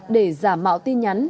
để giả mạo tin nhắn